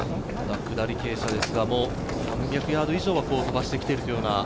下り傾斜ですが、３００ヤード以上は飛ばしてきているというような。